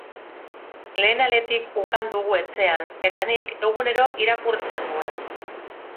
Lehen aletik ukan dugu etxean, eta nik egunero irakurtzen nuen.